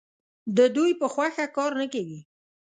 د دوی په خوښه کار نه کوي.